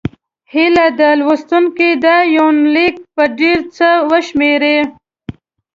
هيله ده لوستونکي دا یونلیک په ډېر څه وشمېري.